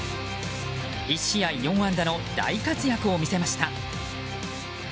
１試合４安打の大活躍を見せました。